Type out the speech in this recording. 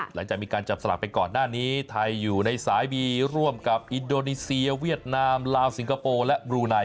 หลังจากมีการจับสลากไปก่อนหน้านี้ไทยอยู่ในสายบีร่วมกับอินโดนีเซียเวียดนามลาวสิงคโปร์และบรูไน